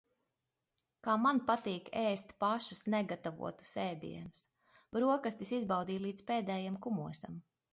Kā man patīk ēst pašas negatavotus ēdienus. Brokastis izbaudīju līdz pēdējam kumosam.